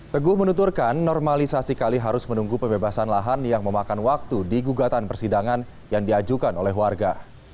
teguh menuturkan normalisasi kali harus menunggu pembebasan lahan yang memakan waktu di gugatan persidangan yang diajukan oleh warga